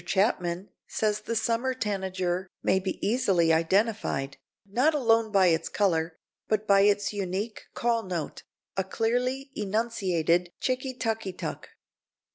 Chapman says the summer tanager may be easily identified, not alone by its color, but by its unique call note, a clearly enunciated "chicky tucky tuck."